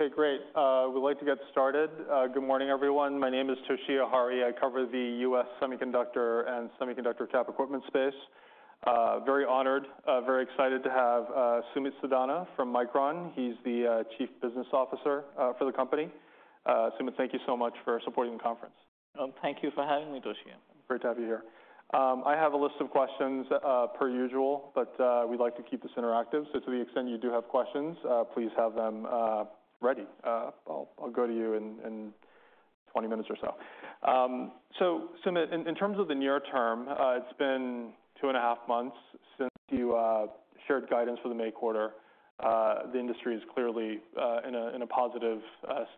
Okay, great. We'd like to get started. Good morning, everyone. My name is Toshiya Hari. I cover the U.S. Semiconductor and Semiconductor Cap Equipment space. Very honored, very excited to have Sumit Sadana from Micron. He's the Chief Business Officer for the company. Sumit, thank you so much for supporting the conference. Thank you for having me, Toshiya. Great to have you here. I have a list of questions, per usual, but we'd like to keep this interactive. So to the extent you do have questions, please have them ready. I'll go to you in 20 minutes or so. So Sumit, in terms of the near term, it's been two and a half months since you shared guidance for the May quarter. The industry is clearly in a positive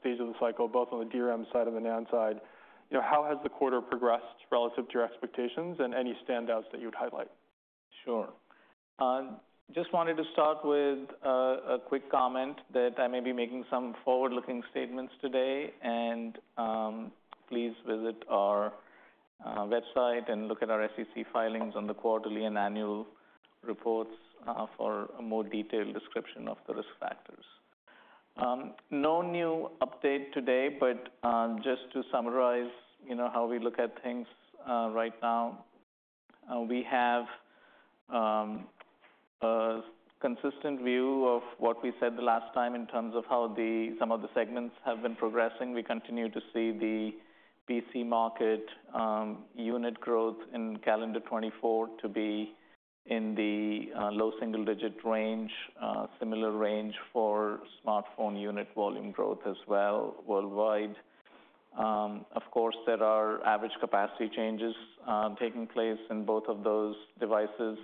stage of the cycle, both on the DRAM side and the NAND side. You know, how has the quarter progressed relative to your expectations and any standouts that you would highlight? Sure. Just wanted to start with a quick comment that I may be making some forward-looking statements today, and please visit our website and look at our SEC filings on the quarterly and annual reports for a more detailed description of the risk factors. No new update today, but just to summarize, you know, how we look at things right now, we have a consistent view of what we said the last time in terms of how some of the segments have been progressing. We continue to see the PC market unit growth in calendar 2024 to be in the low single-digit range, similar range for smartphone unit volume growth as well, worldwide. Of course, there are average capacity changes taking place in both of those devices.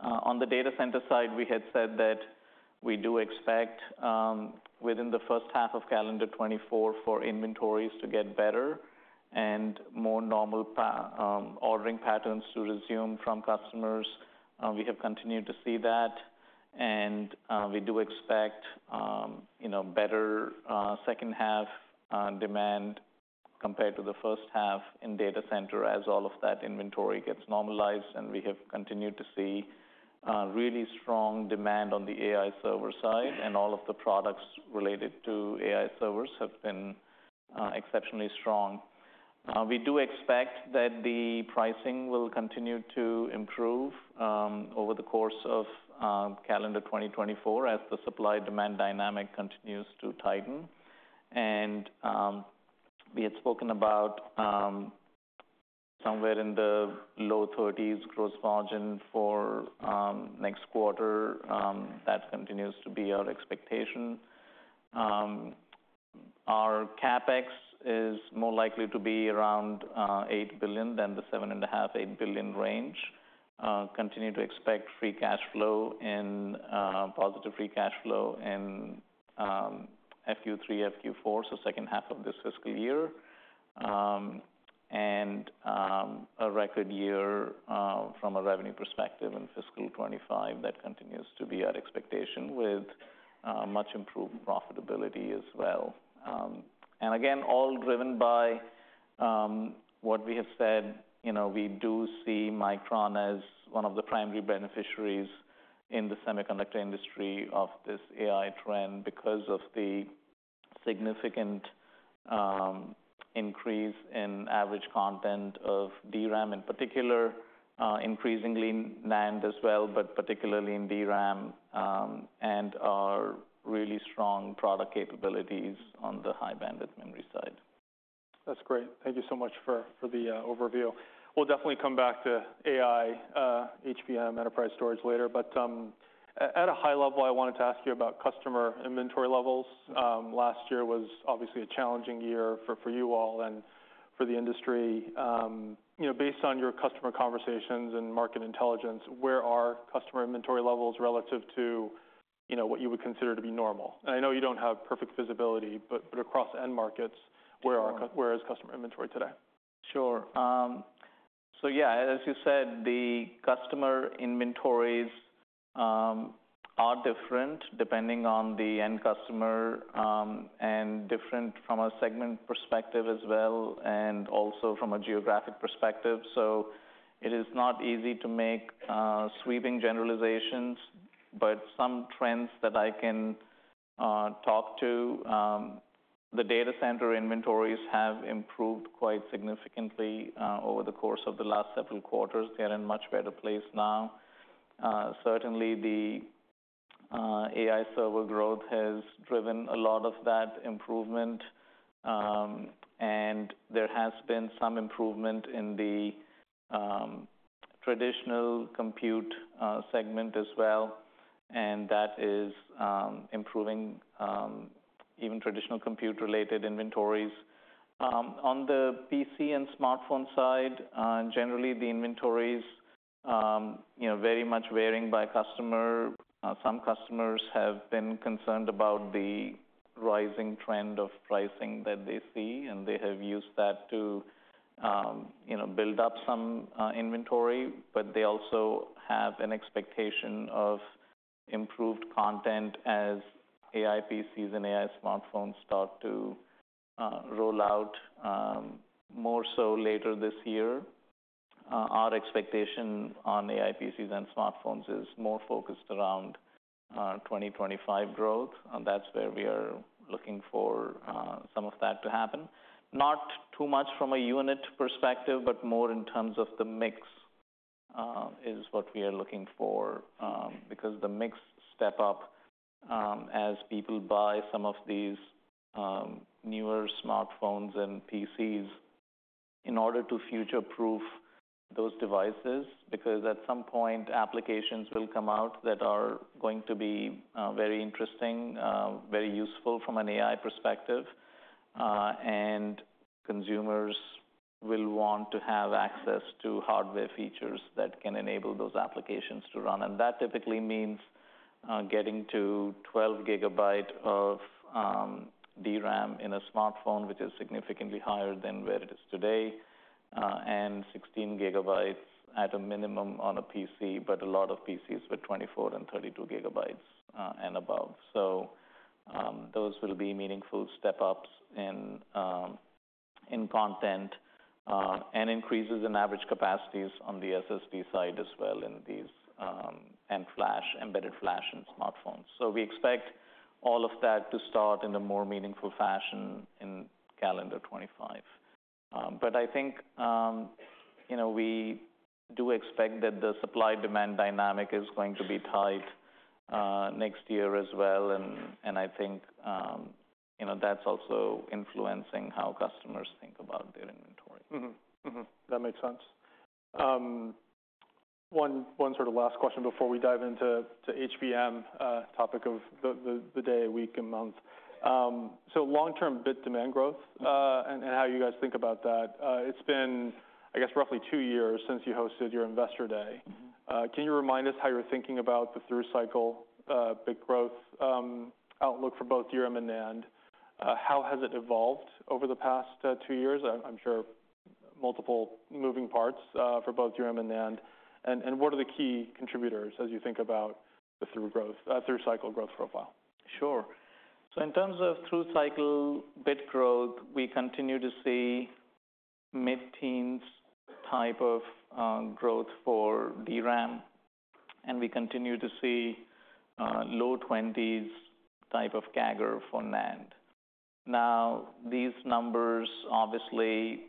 On the data center side, we had said that we do expect within the first half of calendar 2024 for inventories to get better and more normal ordering patterns to resume from customers. We have continued to see that, and we do expect, you know, better second half demand compared to the first half in data center as all of that inventory gets normalized. And we have continued to see really strong demand on the AI server side, and all of the products related to AI servers have been exceptionally strong. We do expect that the pricing will continue to improve over the course of calendar 2024 as the supply-demand dynamic continues to tighten. And we had spoken about somewhere in the low thirties gross margin for next quarter. That continues to be our expectation. Our CapEx is more likely to be around $8 billion than the $7.5 billion-$8 billion range. Continue to expect positive free cash flow in FQ3, FQ4, so second half of this fiscal year. And a record year from a revenue perspective in fiscal 2025, that continues to be our expectation, with much improved profitability as well. And again, all driven by what we have said, you know, we do see Micron as one of the primary beneficiaries in the semiconductor industry of this AI trend because of the significant increase in average content of DRAM in particular, increasingly NAND as well, but particularly in DRAM, and our really strong product capabilities on the High Bandwidth Memory side. That's great. Thank you so much for the overview. We'll definitely come back to AI, HBM, enterprise storage later. But at a high level, I wanted to ask you about customer inventory levels. Last year was obviously a challenging year for you all and for the industry. You know, based on your customer conversations and market intelligence, where are customer inventory levels relative to what you would consider to be normal? And I know you don't have perfect visibility, but across end markets. Sure. Where is customer inventory today? Sure. So yeah, as you said, the customer inventories are different depending on the end customer, and different from a segment perspective as well, and also from a geographic perspective. So it is not easy to make sweeping generalizations, but some trends that I can talk to, the data center inventories have improved quite significantly over the course of the last several quarters. They're in a much better place now. Certainly the AI server growth has driven a lot of that improvement, and there has been some improvement in the traditional compute segment as well, and that is improving even traditional compute-related inventories. On the PC and smartphone side, generally the inventories, you know, very much varying by customer. Some customers have been concerned about the rising trend of pricing that they see, and they have used that to, you know, build up some inventory, but they also have an expectation of improved content as AI PCs and AI smartphones start to roll out, more so later this year. Our expectation on AI PCs and smartphones is more focused around 2025 growth, and that's where we are looking for some of that to happen. Not too much from a unit perspective, but more in terms of the mix is what we are looking for. Because the mix step up, as people buy some of these newer smartphones and PCs in order to future-proof those devices, because at some point, applications will come out that are going to be very interesting, very useful from an AI perspective. And consumers will want to have access to hardware features that can enable those applications to run, and that typically means getting to 12 GB of DRAM in a smartphone, which is significantly higher than where it is today, and 16 GB at a minimum on a PC, but a lot of PCs with 24 and 32 GB, and above. Those will be meaningful step-ups in content, and increases in average capacities on the SSD side as well in these, and flash, embedded flash and smartphones. So we expect all of that to start in a more meaningful fashion in calendar 2025. But I think, you know, we do expect that the supply-demand dynamic is going to be tight, next year as well. And I think, you know, that's also influencing how customers think about their inventory. Mm-hmm. Mm-hmm, that makes sense. One sort of last question before we dive into HBM, topic of the day, week, and month. So long-term bit demand growth and how you guys think about that. It's been, I guess, roughly two years since you hosted your Investor Day. Mm-hmm. Can you remind us how you're thinking about the through cycle bit growth outlook for both DRAM and NAND? How has it evolved over the past two years? I'm sure multiple moving parts for both DRAM and NAND. What are the key contributors as you think about the through growth through cycle growth profile? Sure. So in terms of through-cycle bit growth, we continue to see mid-teens type of growth for DRAM, and we continue to see low twenties type of CAGR for NAND. Now, these numbers obviously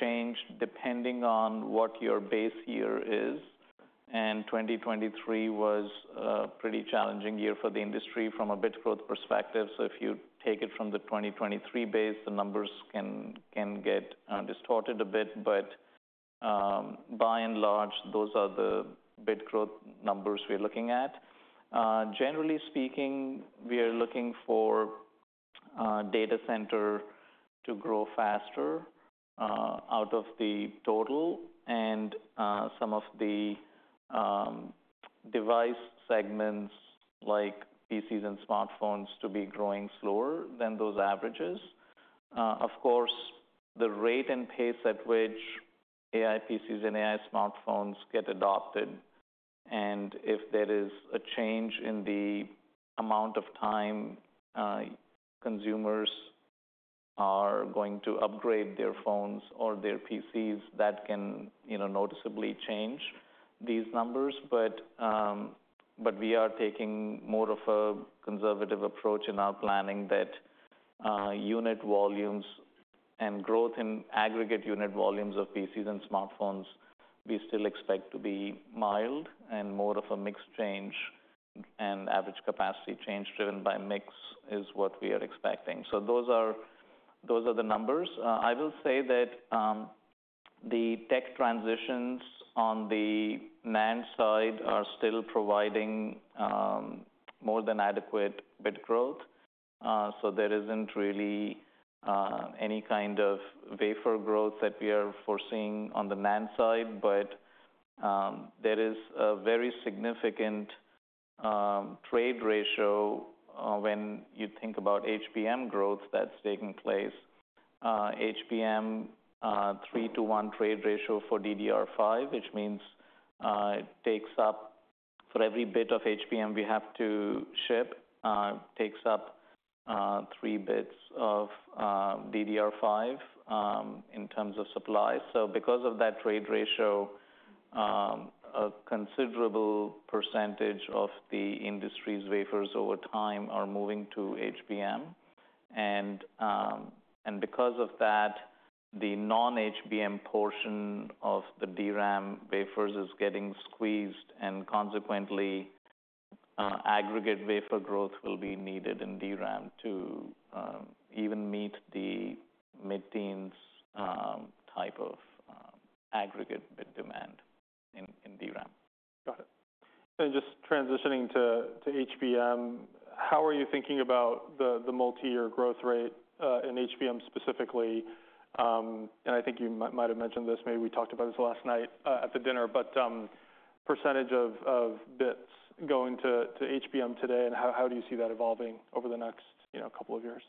change depending on what your base year is, and 2023 was a pretty challenging year for the industry from a bit growth perspective. So if you take it from the 2023 base, the numbers can get distorted a bit, but by and large, those are the bit growth numbers we're looking at. Generally speaking, we are looking for data center to grow faster out of the total and some of the device segments, like PCs and smartphones, to be growing slower than those averages. Of course, the rate and pace at which AI PCs and AI smartphones get adopted, and if there is a change in the amount of time, consumers are going to upgrade their phones or their PCs, that can, you know, noticeably change these numbers. But, but we are taking more of a conservative approach in our planning that, unit volumes and growth in aggregate unit volumes of PCs and smartphones, we still expect to be mild and more of a mixed change, and average capacity change driven by mix is what we are expecting. So those are, those are the numbers. I will say that, the tech transitions on the NAND side are still providing, more than adequate bit growth. So there isn't really any kind of wafer growth that we are foreseeing on the NAND side, but there is a very significant trade ratio when you think about HBM growth that's taking place. HBM 3:1 trade ratio for DDR5, which means it takes up, for every bit of HBM we have to ship, takes up three bits of DDR5 in terms of supply. So because of that trade ratio, a considerable percentage of the industry's wafers over time are moving to HBM. And because of that, the non-HBM portion of the DRAM wafers is getting squeezed, and consequently, aggregate wafer growth will be needed in DRAM to even meet the mid-teens type of aggregate bit demand in DRAM. Got it. And just transitioning to HBM, how are you thinking about the multi-year growth rate in HBM specifically? And I think you might have mentioned this, maybe we talked about this last night at the dinner, but percentage of bits going to HBM today, and how do you see that evolving over the next couple of years?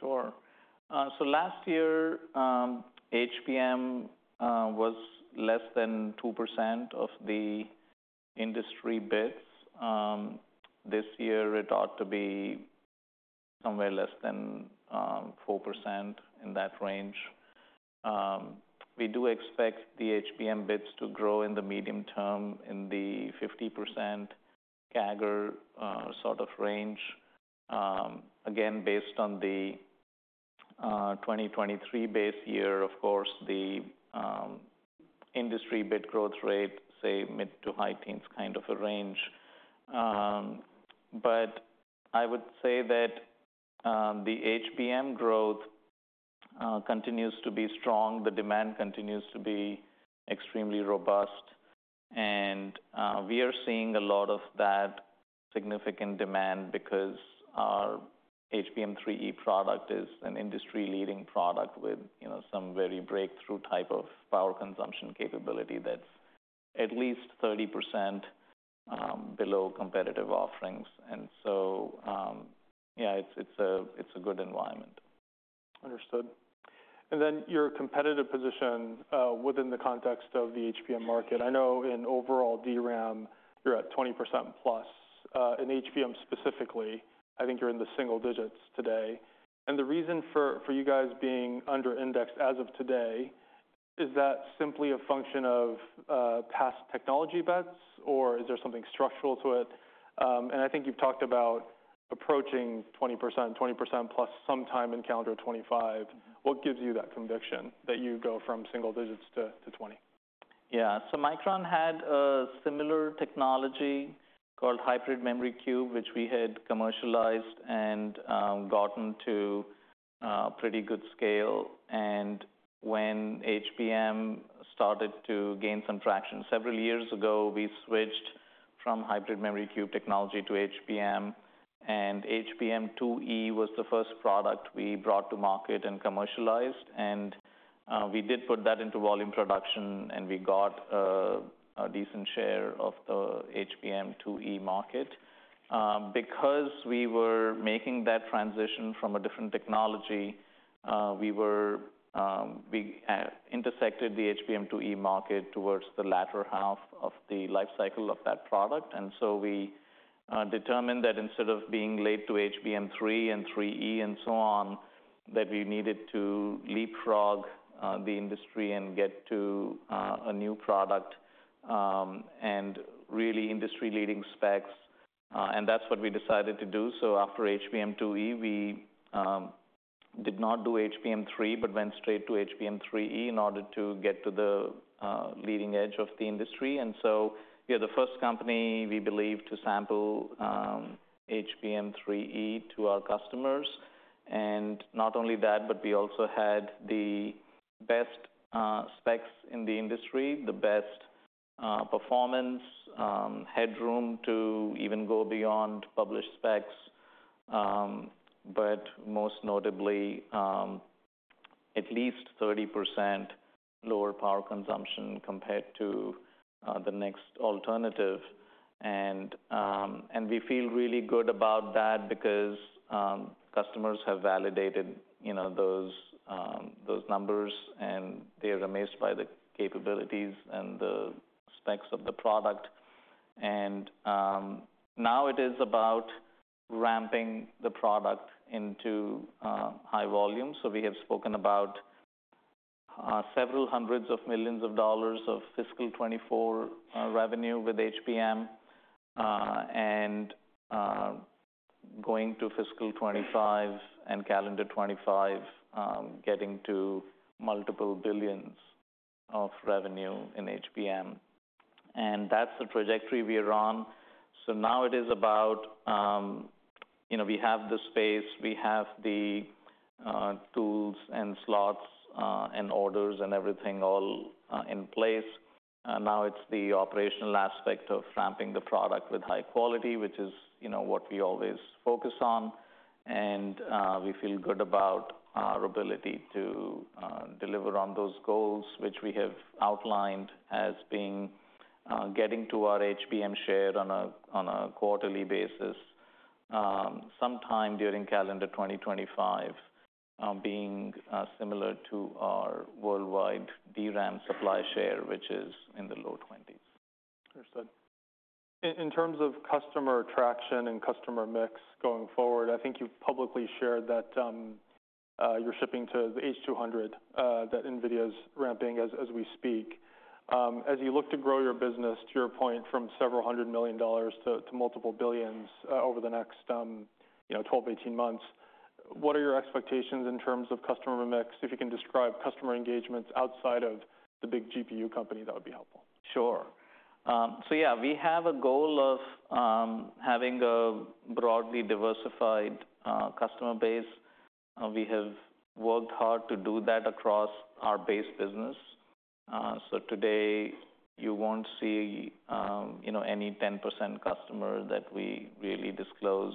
Sure. So last year, HBM was less than 2% of the industry bits. This year, it ought to be somewhere less than 4%, in that range. We do expect the HBM bits to grow in the medium term in the 50% CAGR sort of range. Again, based on the 2023 base year, of course, the industry bit growth rate, say, mid- to high-teens, kind of a range. But I would say that the HBM growth continues to be strong. The demand continues to be extremely robust, and we are seeing a lot of that significant demand because our HBM3E product is an industry-leading product with, you know, some very breakthrough type of power consumption capability that's at least 30% below competitive offerings. And so, it's a good environment. Understood. And then your competitive position within the context of the HBM market, I know in overall DRAM, you're at 20%+. In HBM specifically, I think you're in the single digits today. And the reason for you guys being under indexed as of today is that simply a function of past technology bets, or is there something structural to it? And I think you've talked about approaching 20%, 20%+ sometime in calendar 2025. What gives you that conviction that you go from single digits to 20? Yeah. So Micron had a similar technology called Hybrid Memory Cube, which we had commercialized and gotten to pretty good scale. And when HBM started to gain some traction several years ago, we switched from Hybrid Memory Cube technology to HBM, and HBM2E was the first product we brought to market and commercialized. And we did put that into volume production, and we got a decent share of the HBM2E market. Because we were making that transition from a different technology, we intersected the HBM2E market towards the latter half of the life cycle of that product. And so we determined that instead of being late to HBM3 and 3E and so on, that we needed to leapfrog the industry and get to a new product, and really industry-leading specs. And that's what we decided to do. So after HBM2E, we did not do HBM3, but went straight to HBM3E in order to get to the leading edge of the industry. And so we are the first company, we believe, to sample HBM3E to our customers. And not only that, but we also had the best specs in the industry, the best performance headroom to even go beyond published specs, but most notably, at least 30% lower power consumption compared to the next alternative. And we feel really good about that because customers have validated, you know, those numbers, and they are amazed by the capabilities and the specs of the product. And now it is about ramping the product into high volume. So we have spoken about several hundred million dollars of fiscal 2024 revenue with HBM, and going to fiscal 2025 and calendar 2025, getting to multiple billions of revenue in HBM. And that's the trajectory we are on. So now it is about, you know, we have the space, we have the tools and slots, and orders and everything all in place. Now it's the operational aspect of ramping the product with high quality, which is, you know, what we always focus on. And we feel good about our ability to deliver on those goals, which we have outlined as being getting to our HBM share on a quarterly basis sometime during calendar 2025, being similar to our worldwide DRAM supply share, which is in the low 20s. Understood. In terms of customer traction and customer mix going forward, I think you've publicly shared that you're shipping to the H200 that NVIDIA's ramping as we speak. As you look to grow your business, to your point, from several hundred million to multiple billions over the next you know, 12-18 months, what are your expectations in terms of customer mix? If you can describe customer engagements outside of the big GPU company, that would be helpful. Sure. So yeah, we have a goal of having a broadly diversified customer base, and we have worked hard to do that across our base business. So today, you won't see, you know, any 10% customer that we really disclose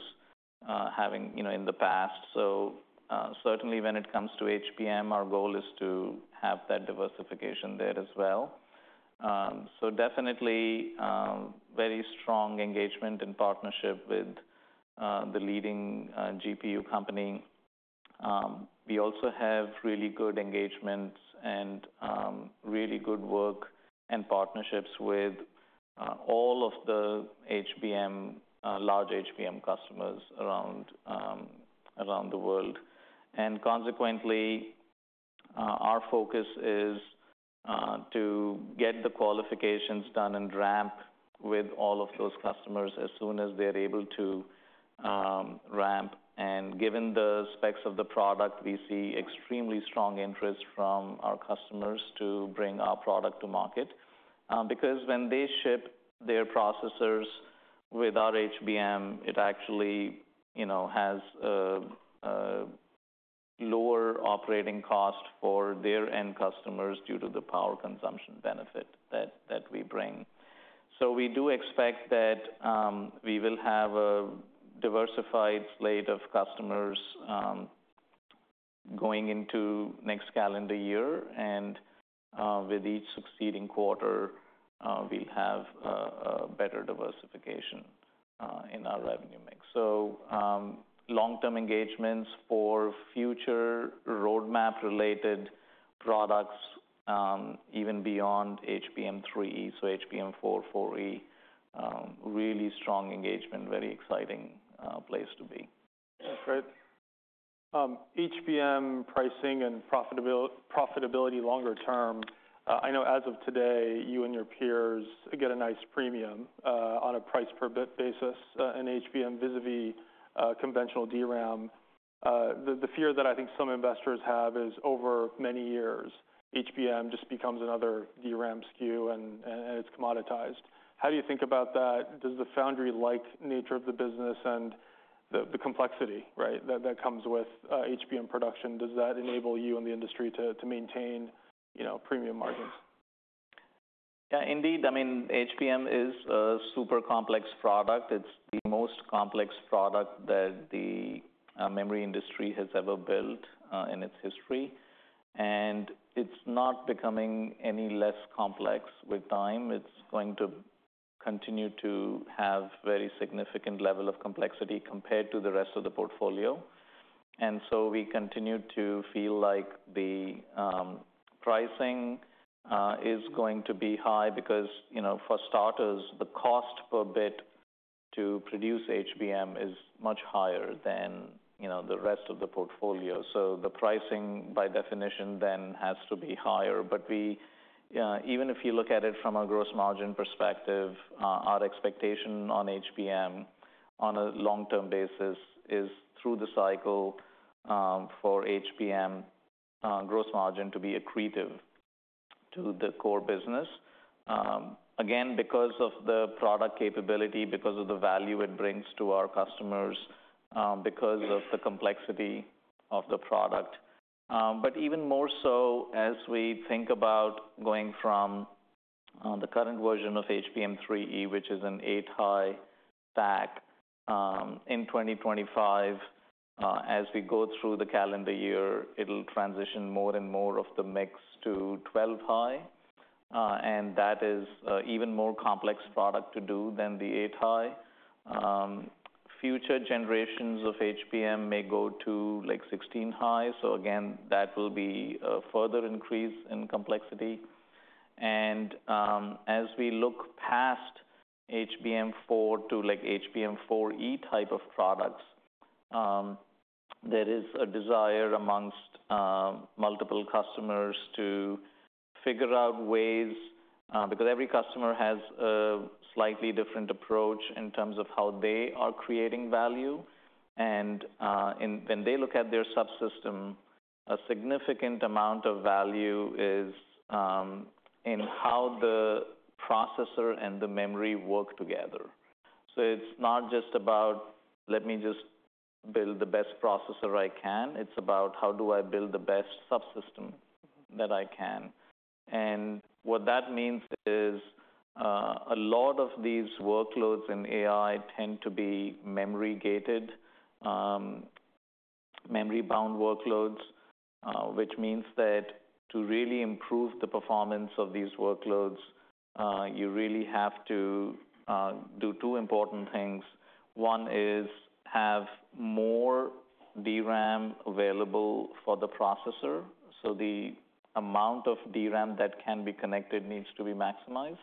having, you know, in the past. So certainly when it comes to HBM, our goal is to have that diversification there as well. So definitely very strong engagement and partnership with the leading GPU company... We also have really good engagements and really good work and partnerships with all of the HBM large HBM customers around the world. And consequently our focus is to get the qualifications done and ramp with all of those customers as soon as they are able to ramp. Given the specs of the product, we see extremely strong interest from our customers to bring our product to market, because when they ship their processors without HBM, it actually, you know, has lower operating cost for their end customers due to the power consumption benefit that we bring. So we do expect that we will have a diversified slate of customers going into next calendar year, and with each succeeding quarter, we'll have a better diversification in our revenue mix. So long-term engagements for future roadmap related products, even beyond HBM3, so HBM4, HBM4E, really strong engagement, very exciting place to be. That's great. HBM pricing and profitability longer term, I know as of today, you and your peers get a nice premium on a price per bit basis in HBM vis-a-vis conventional DRAM. The fear that I think some investors have is, over many years, HBM just becomes another DRAM SKU and it's commoditized. How do you think about that? Does the foundry-like nature of the business and the complexity, right, that comes with HBM production, does that enable you and the industry to maintain, you know, premium margins? Yeah, indeed, I mean, HBM is a super complex product. It's the most complex product that the memory industry has ever built in its history, and it's not becoming any less complex with time. It's going to continue to have very significant level of complexity compared to the rest of the portfolio. And so we continue to feel like the pricing is going to be high because, you know, for starters, the cost per bit to produce HBM is much higher than, you know, the rest of the portfolio. So the pricing, by definition, then, has to be higher. But we, even if you look at it from a gross margin perspective, our expectation on HBM on a long-term basis is through the cycle, for HBM, gross margin to be accretive to the core business. Again, because of the product capability, because of the value it brings to our customers, because of the complexity of the product. But even more so, as we think about going from the current version of HBM3E, which is an 8-high stack, in 2025, as we go through the calendar year, it'll transition more and more of the mix to 12-high, and that is even more complex product to do than the 8-high. Future generations of HBM may go to, like, 16-high. So again, that will be a further increase in complexity. And, as we look past HBM4 to, like, HBM4E type of products, there is a desire amongst multiple customers to figure out ways, because every customer has a slightly different approach in terms of how they are creating value. And when they look at their subsystem, a significant amount of value is in how the processor and the memory work together. So it's not just about, let me just build the best processor I can; it's about, how do I build the best subsystem that I can? And what that means is, a lot of these workloads in AI tend to be memory gated, memory-bound workloads, which means that to really improve the performance of these workloads, you really have to do two important things. One is have more DRAM available for the processor, so the amount of DRAM that can be connected needs to be maximized.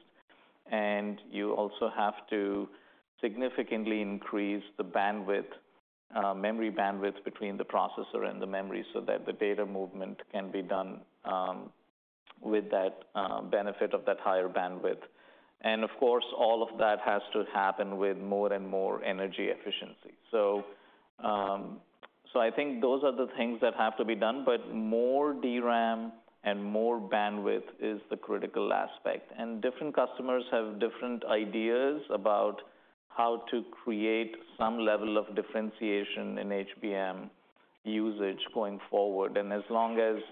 And you also have to significantly increase the bandwidth, memory bandwidth between the processor and the memory, so that the data movement can be done, with that benefit of that higher bandwidth. And of course, all of that has to happen with more and more energy efficiency. So, so I think those are the things that have to be done, but more DRAM and more bandwidth is the critical aspect. And different customers have different ideas about how to create some level of differentiation in HBM usage going forward. And as long as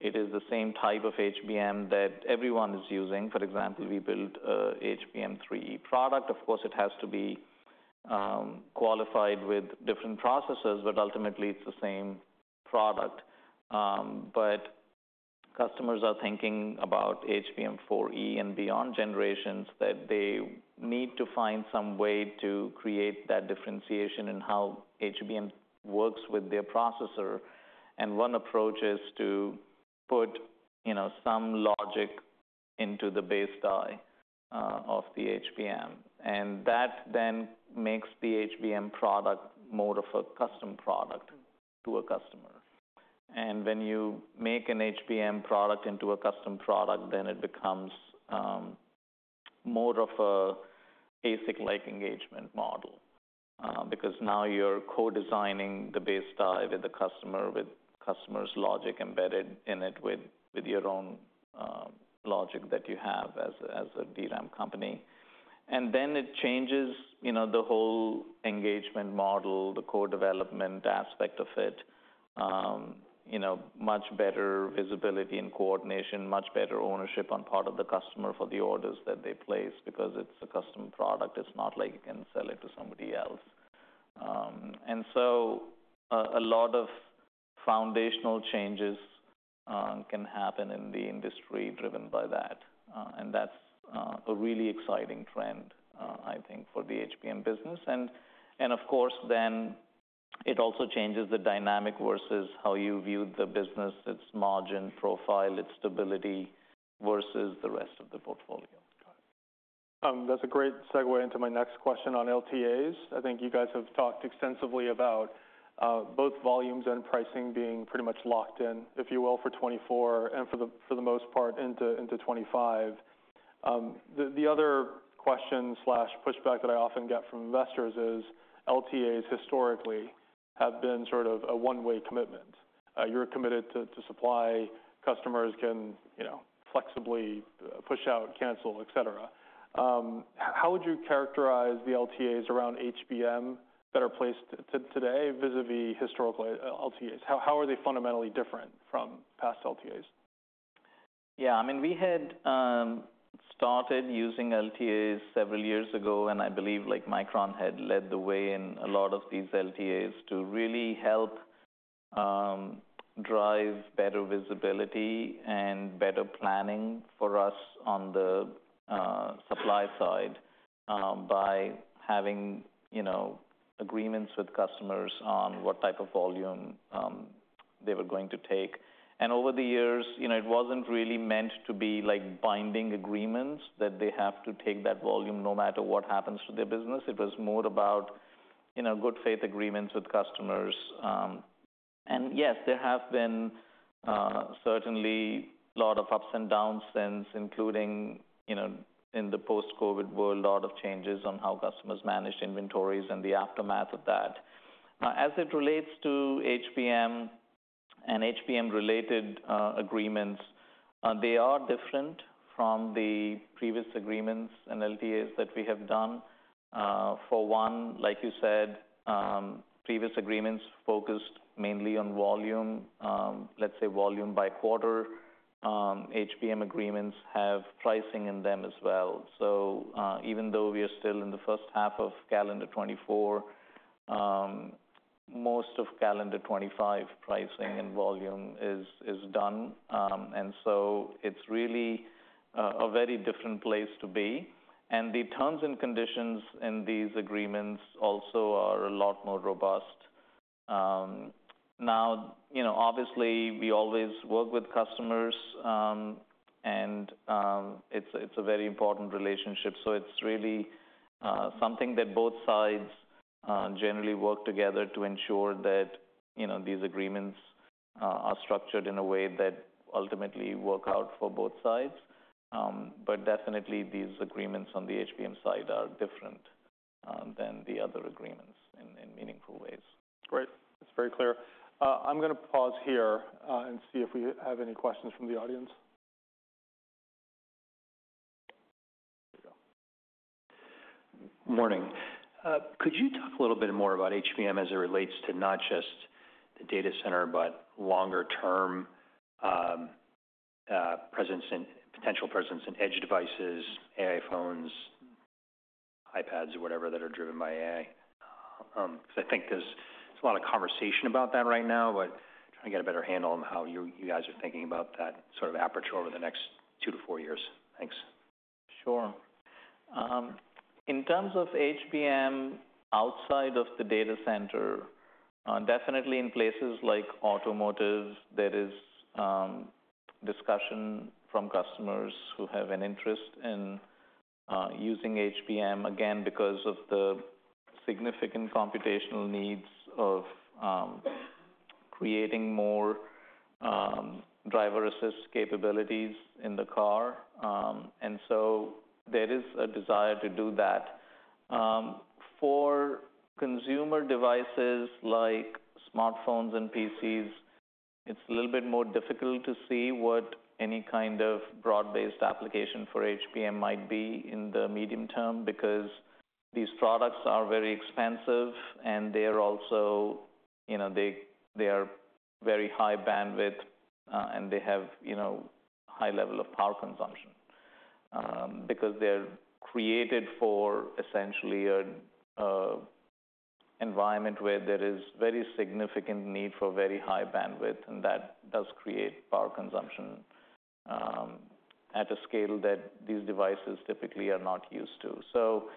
it is the same type of HBM that everyone is using, for example, we build a HBM3E product, of course, it has to be, qualified with different processors, but ultimately it's the same product. But- Customers are thinking about HBM4E and beyond generations, that they need to find some way to create that differentiation in how HBM works with their processor. And one approach is to put, you know, some logic into the base die of the HBM, and that then makes the HBM product more of a custom product to a customer. And when you make an HBM product into a custom product, then it becomes more of a ASIC-like engagement model, because now you're co-designing the base die with the customer, with customer's logic embedded in it, with your own logic that you have as a DRAM company. And then it changes, you know, the whole engagement model, the core development aspect of it. You know, much better visibility and coordination, much better ownership on the part of the customer for the orders that they place, because it's a custom product. It's not like you can sell it to somebody else. And so a lot of foundational changes can happen in the industry driven by that. And that's a really exciting trend, I think, for the HBM business. And of course, then it also changes the dynamic versus how you view the business, its margin profile, its stability, versus the rest of the portfolio. That's a great segue into my next question on LTAs. I think you guys have talked extensively about both volumes and pricing being pretty much locked in, if you will, for 2024, and for the most part, into 2025. The other question or pushback that I often get from investors is, LTAs historically have been sort of a one-way commitment. You're committed to supply, customers can, you know, flexibly push out, cancel, et cetera. How would you characterize the LTAs around HBM that are placed today, vis-à-vis historical LTAs? How are they fundamentally different from past LTAs? Yeah, I mean, we had started using LTAs several years ago, and I believe, like, Micron had led the way in a lot of these LTAs to really help drive better visibility and better planning for us on the supply side by having, you know, agreements with customers on what type of volume they were going to take. And over the years, you know, it wasn't really meant to be like binding agreements, that they have to take that volume no matter what happens to their business. It was more about, you know, good faith agreements with customers. And yes, there have been certainly a lot of ups and downs since including, you know, in the post-COVID world, a lot of changes on how customers manage inventories and the aftermath of that. As it relates to HBM and HBM related agreements, they are different from the previous agreements and LTAs that we have done. For one, like you said, previous agreements focused mainly on volume, let's say volume by quarter. HBM agreements have pricing in them as well. So, even though we are still in the first half of calendar 2024, most of calendar 2025 pricing and volume is, is done. And so it's really, a very different place to be. And the terms and conditions in these agreements also are a lot more robust. Now, you know, obviously, we always work with customers, and, it's, it's a very important relationship. So it's really, something that both sides, generally work together to ensure that, you know, these agreements, are structured in a way that ultimately work out for both sides. But definitely these agreements on the HBM side are different, than the other agreements in, in meaningful ways. Great. That's very clear. I'm going to pause here, and see if we have any questions from the audience. Here we go. Morning. Could you talk a little bit more about HBM as it relates to not just the data center, but longer term, presence and potential presence in edge devices, AI phones, iPads, or whatever, that are driven by AI? Because I think there's a lot of conversation about that right now, but trying to get a better handle on how you, you guys are thinking about that sort of aperture over the next two to four years. Thanks. Sure. In terms of HBM outside of the data center, definitely in places like automotive, there is discussion from customers who have an interest in using HBM, again, because of the significant computational needs of creating more driver-assist capabilities in the car. And so there is a desire to do that. For consumer devices like smartphones and PCs, it's a little bit more difficult to see what any kind of broad-based application for HBM might be in the medium term, because these products are very expensive and they are also, you know, they are very high bandwidth, and they have, you know, high level of power consumption. Because they're created for essentially a- Environment where there is very significant need for very high bandwidth, and that does create power consumption at a scale that these devices typically are not used to. So,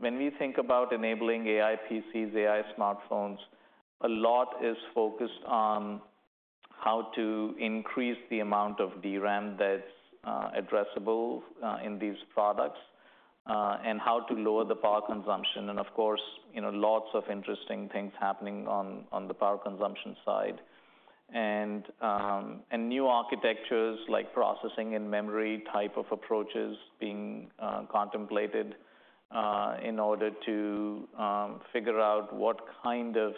when we think about enabling AI PCs, AI smartphones, a lot is focused on how to increase the amount of DRAM that's addressable in these products, and how to lower the power consumption. And of course, you know, lots of interesting things happening on the power consumption side. And new architectures, like processing-in-memory type of approaches being contemplated, in order to figure out what kind of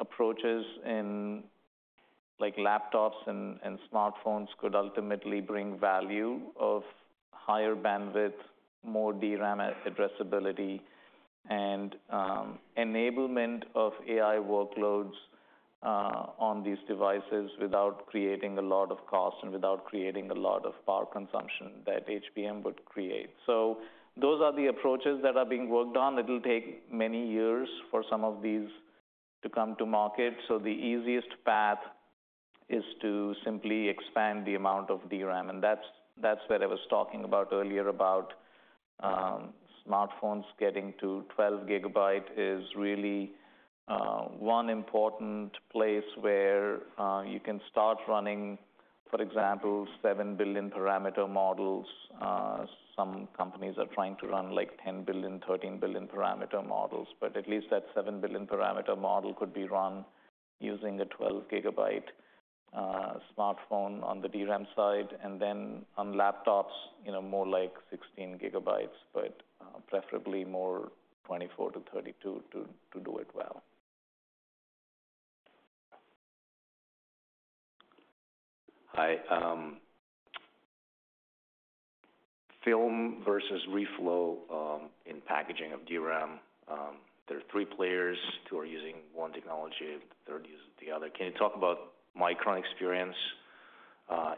approaches in, like, laptops and smartphones could ultimately bring value of higher bandwidth, more DRAM addressability, and enablement of AI workloads on these devices without creating a lot of cost and without creating a lot of power consumption that HBM would create. So those are the approaches that are being worked on. It will take many years for some of these to come to market, so the easiest path is to simply expand the amount of DRAM. And that's, that's what I was talking about earlier, about smartphones getting to 12 GB is really one important place where you can start running, for example, 7 billion parameter models. Some companies are trying to run, like, 10 billion, 13 billion parameter models, but at least that 7 billion parameter model could be run using a 12 GB smartphone on the DRAM side, and then on laptops, you know, more like 16 GB, but preferably more, 24-32 to do it well. Hi, film versus reflow, in packaging of DRAM. There are three players, two are using one technology, the third uses the other. Can you talk about Micron experience,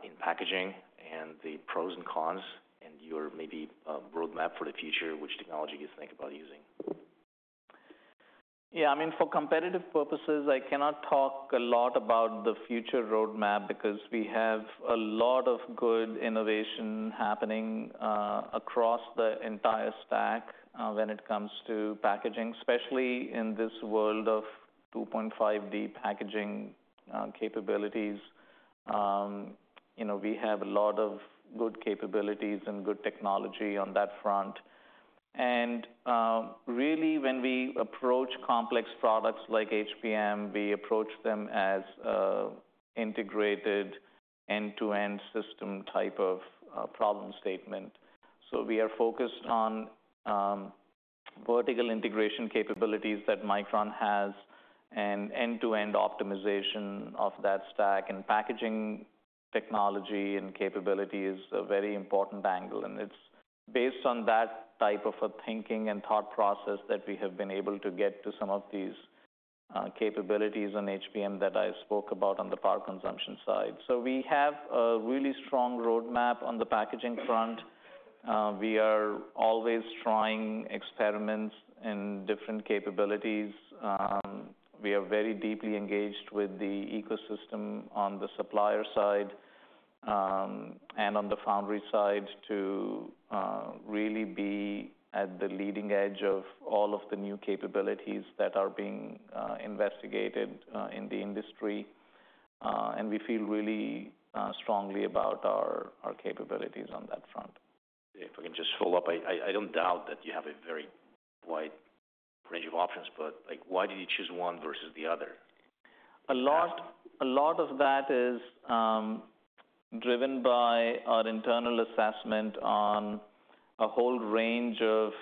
in packaging and the pros and cons and your maybe, roadmap for the future, which technology you think about using? Yeah, I mean, for competitive purposes, I cannot talk a lot about the future roadmap because we have a lot of good innovation happening across the entire stack when it comes to packaging, especially in this world of 2.5D packaging capabilities. You know, we have a lot of good capabilities and good technology on that front. And really, when we approach complex products like HBM, we approach them as integrated, end-to-end system type of problem statement. So we are focused on vertical integration capabilities that Micron has and end-to-end optimization of that stack. And packaging technology and capability is a very important angle, and it's based on that type of a thinking and thought process that we have been able to get to some of these capabilities on HBM that I spoke about on the power consumption side. So we have a really strong roadmap on the packaging front. We are always trying experiments and different capabilities. We are very deeply engaged with the ecosystem on the supplier side, and on the foundry side, to really be at the leading edge of all of the new capabilities that are being investigated in the industry. And we feel really strongly about our capabilities on that front. If we can just follow up, I don't doubt that you have a very wide range of options, but, like, why do you choose one versus the other? A lot, a lot of that is driven by our internal assessment on a whole range of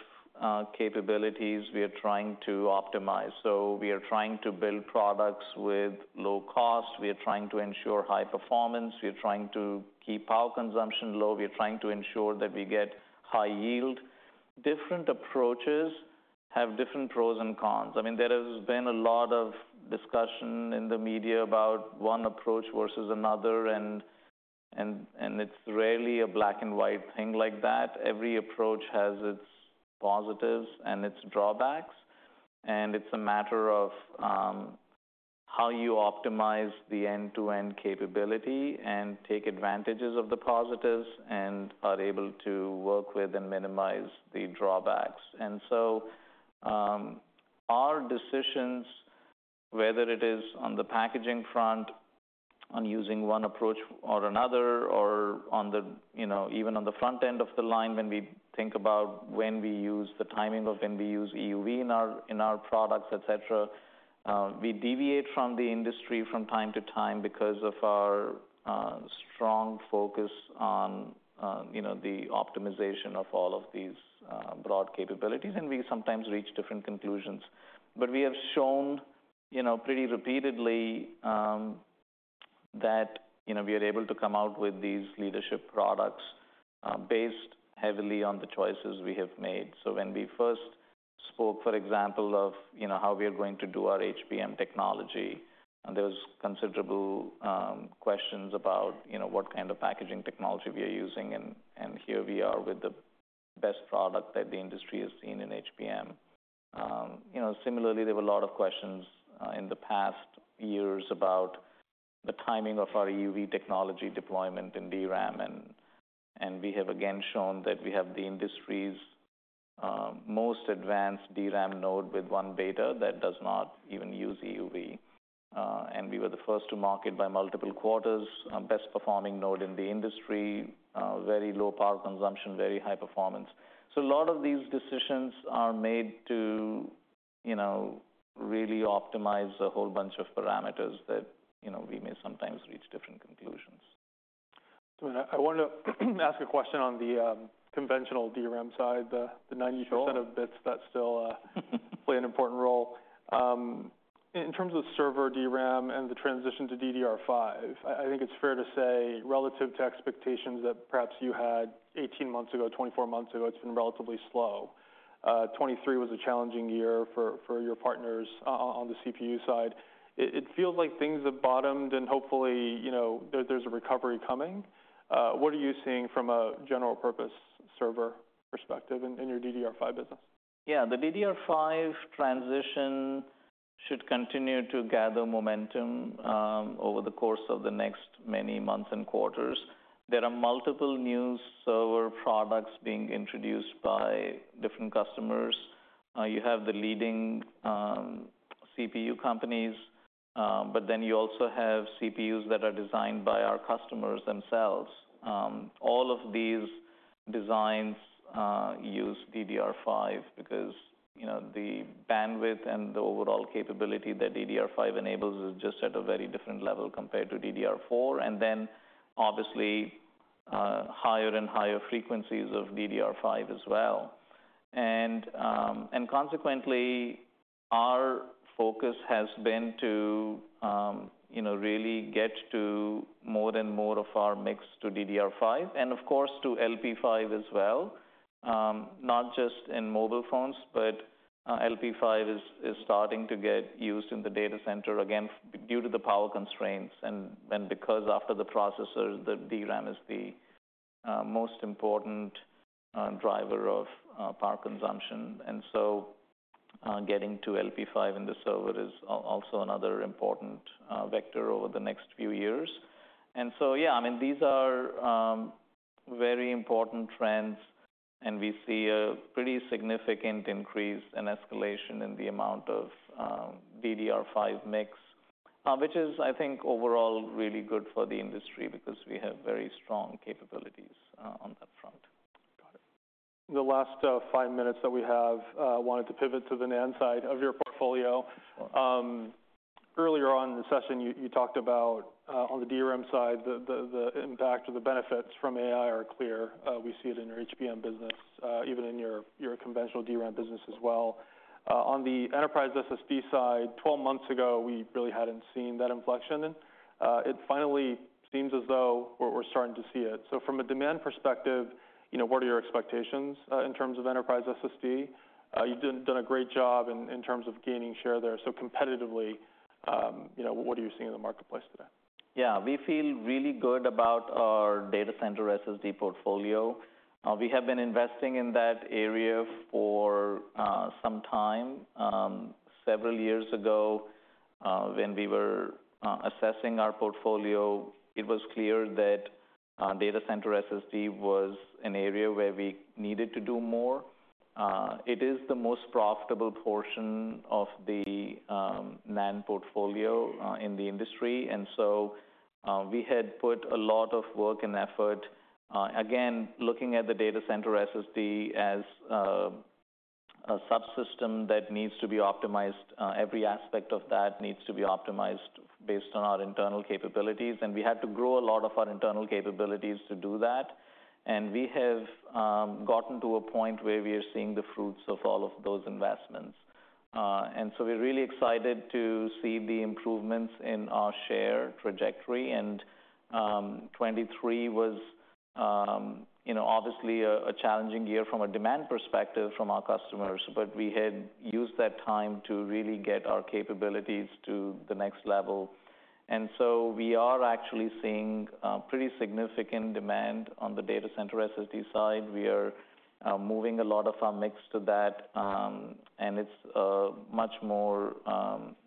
capabilities we are trying to optimize. So we are trying to build products with low cost. We are trying to ensure high performance. We are trying to keep power consumption low. We are trying to ensure that we get high yield. Different approaches have different pros and cons. I mean, there has been a lot of discussion in the media about one approach versus another and it's rarely a black and white thing like that. Every approach has its positives and its drawbacks, and it's a matter of how you optimize the end-to-end capability and take advantages of the positives and are able to work with and minimize the drawbacks. And so, our decisions, whether it is on the packaging front, on using one approach or another, or on the, you know, even on the front end of the line, when we think about when we use the timing of when we use EUV in our, in our products, et cetera, we deviate from the industry from time to time because of our, strong focus on, you know, the optimization of all of these, broad capabilities, and we sometimes reach different conclusions. But we have shown, you know, pretty repeatedly, that, you know, we are able to come out with these leadership products, based heavily on the choices we have made. So when we first spoke, for example, of, you know, how we are going to do our HBM technology, and there was considerable questions about, you know, what kind of packaging technology we are using, and here we are with the best product that the industry has seen in HBM. You know, similarly, there were a lot of questions in the past years about the timing of our EUV technology deployment in DRAM, and we have again shown that we have the industry's most advanced DRAM node with 1-beta that does not even use EUV. And we were the first to market by multiple quarters, best performing node in the industry, very low power consumption, very high performance. A lot of these decisions are made to, you know, really optimize a whole bunch of parameters that, you know, we may sometimes reach different conclusions. I want to ask a question on the conventional DRAM side, the 90%... Sure of bits that still play an important role. In terms of server DRAM and the transition to DDR5, I think it's fair to say, relative to expectations that perhaps you had 18 months ago, 24 months ago, it's been relatively slow. 2023 was a challenging year for your partners on the CPU side. It feels like things have bottomed and hopefully, you know, there's a recovery coming. What are you seeing from a general purpose server perspective in your DDR5 business? Yeah, the DDR5 transition should continue to gather momentum over the course of the next many months and quarters. There are multiple new server products being introduced by different customers. You have the leading CPU companies, but then you also have CPUs that are designed by our customers themselves. All of these designs use DDR5 because, you know, the bandwidth and the overall capability that DDR5 enables is just at a very different level compared to DDR4, and then obviously higher and higher frequencies of DDR5 as well. Consequently, our focus has been to, you know, really get to more and more of our mix to DDR5 and, of course, to LP5 as well. Not just in mobile phones, but LP5 is starting to get used in the data center, again, due to the power constraints and because after the processor, the DRAM is the most important driver of power consumption. And so, getting to LP5 in the server is also another important vector over the next few years. And so, yeah, I mean, these are very important trends, and we see a pretty significant increase and escalation in the amount of DDR5 mix, which is, I think, overall, really good for the industry because we have very strong capabilities on that front. Got it. The last five minutes that we have, I wanted to pivot to the NAND side of your portfolio. Earlier on in the session, you talked about, on the DRAM side, the impact or the benefits from AI are clear. We see it in your HBM business, even in your conventional DRAM business as well. On the enterprise SSD side, 12 months ago, we really hadn't seen that inflection, and it finally seems as though we're starting to see it. So from a demand perspective, you know, what are your expectations in terms of enterprise SSD? You've done a great job in terms of gaining share there. So competitively, you know, what are you seeing in the marketplace today? Yeah, we feel really good about our data center SSD portfolio. We have been investing in that area for some time. Several years ago, when we were assessing our portfolio, it was clear that data center SSD was an area where we needed to do more. It is the most profitable portion of the NAND portfolio in the industry, and so we had put a lot of work and effort. Again, looking at the data center SSD as a subsystem that needs to be optimized, every aspect of that needs to be optimized based on our internal capabilities, and we had to grow a lot of our internal capabilities to do that. We have gotten to a point where we are seeing the fruits of all of those investments. And so we're really excited to see the improvements in our share trajectory. 2023 was, you know, obviously a challenging year from a demand perspective from our customers, but we had used that time to really get our capabilities to the next level. And so we are actually seeing pretty significant demand on the data center SSD side. We are moving a lot of our mix to that, and it's a much more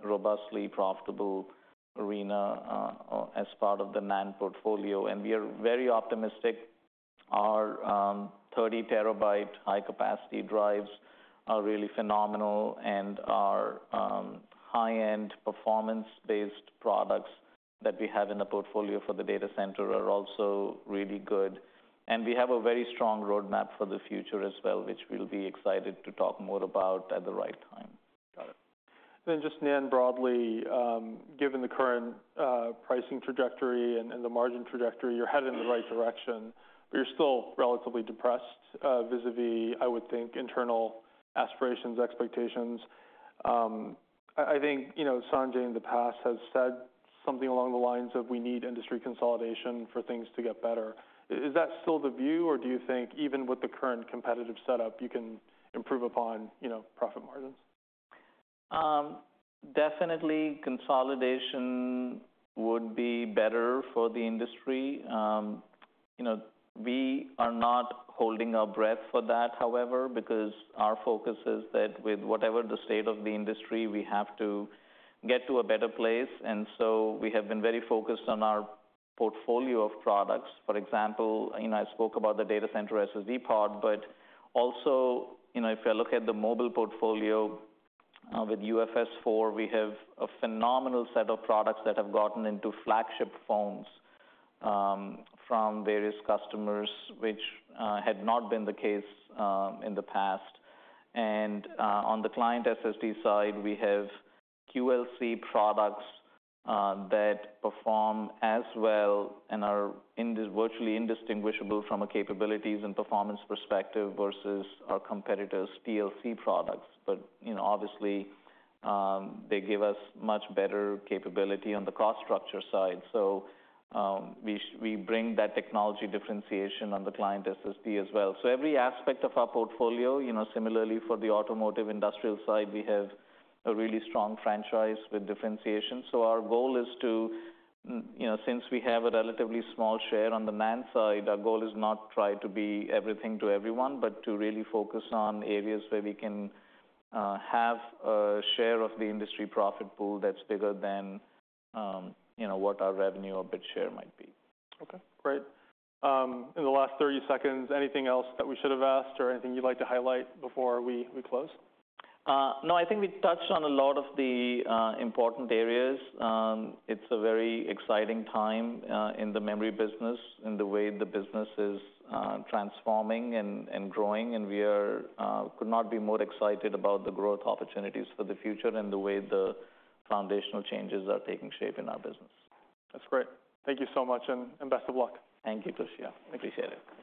robustly profitable arena as part of the NAND portfolio, and we are very optimistic. Our 30 TB high-capacity drives are really phenomenal, and our high-end performance-based products that we have in the portfolio for the data center are also really good. We have a very strong roadmap for the future as well, which we'll be excited to talk more about at the right time. Got it. Then just NAND broadly, given the current, pricing trajectory and the margin trajectory, you're headed in the right direction, but you're still relatively depressed, vis-à-vis, I would think, internal aspirations, expectations. I think, you know, Sanjay, in the past, has said something along the lines of: We need industry consolidation for things to get better. Is that still the view, or do you think even with the current competitive setup, you can improve upon, you know, profit margins? Definitely consolidation would be better for the industry. You know, we are not holding our breath for that, however, because our focus is that with whatever the state of the industry, we have to get to a better place, and so we have been very focused on our portfolio of products. For example, you know, I spoke about the data center SSD part, but also, you know, if you look at the mobile portfolio, with UFS 4, we have a phenomenal set of products that have gotten into flagship phones, from various customers, which had not been the case, in the past. And, on the client SSD side, we have QLC products, that perform as well and are virtually indistinguishable from a capabilities and performance perspective versus our competitors' TLC products. But, you know, obviously, they give us much better capability on the cost structure side. So, we bring that technology differentiation on the client SSD as well. So every aspect of our portfolio, you know, similarly for the automotive industrial side, we have a really strong franchise with differentiation. So our goal is to, you know, since we have a relatively small share on the NAND side, our goal is not try to be everything to everyone, but to really focus on areas where we can, have a share of the industry profit pool that's bigger than, you know, what our revenue or bit share might be. Okay, great. In the last 30 seconds, anything else that we should have asked or anything you'd like to highlight before we, we close? No, I think we touched on a lot of the important areas. It's a very exciting time in the memory business, in the way the business is transforming and growing, and we could not be more excited about the growth opportunities for the future and the way the foundational changes are taking shape in our business. That's great. Thank you so much, and, and best of luck. Thank you, Toshiya. Appreciate it.